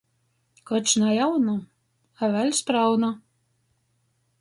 Koč na jauna, a vēļ sprauna.